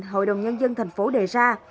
hội đồng nhân dân tp hcm đề ra